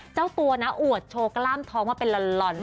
เจ้าตัวนะอวดโชว์กล้ามท้องมาเป็นลอน